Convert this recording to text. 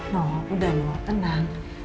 no udah no tenang